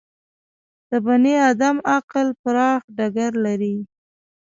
د بني ادم عقل پراخ ډګر لري.